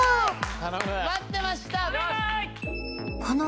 ・頼む待ってました！